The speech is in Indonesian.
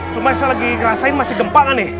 cuma saya lagi ngerasain masih gempa nggak nih